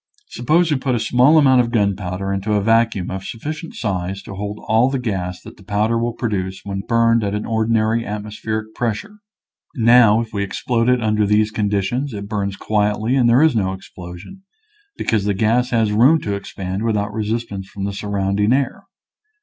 Suppose we put a small amount of gunpowder into a vacuum of sufficient size to hold all the gas that the powder will produce when burned at ordinary atmospheric pressure. Now, if we explode it under these conditions it burns quietly and there is no explosion, because the gas has room to expand without resistance from the sur rounding air.